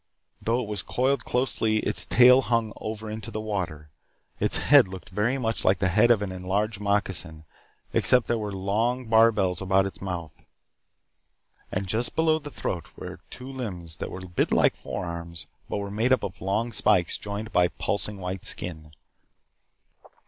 Though it was coiled closely its tail hung over into the water. Its head looked very much like the head of an enlarged moccasin, except that there were long barbels about its mouth. And just below the throat were two limbs that were a bit like forearms, but were made up of long spikes joined by pulsing white skin.